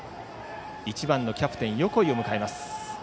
１番のキャプテン横井を迎えます。